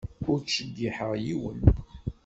Ur ttjeyyiḥeɣ yiwen.